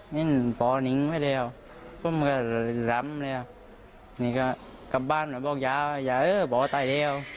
นี่พ่อนิ่งไปแล้วพ่อมันก็รำแล้วนี่ก็กลับบ้านมาบอกยาวยาวเออพ่อตายแล้ว